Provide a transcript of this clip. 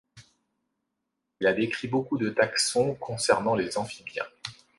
Il a décrit beaucoup de taxons concernant les amphibiens.